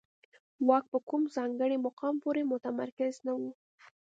واک په کوم ځانګړي مقام پورې متمرکز نه و